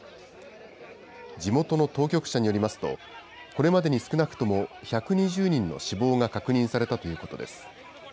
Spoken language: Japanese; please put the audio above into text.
地元の当局者によりますと、これまでに少なくとも１２０人の死亡が確認されたということです。